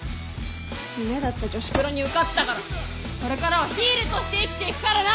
夢だった女子プロに受かったからこれからはヒールとして生きていくからな！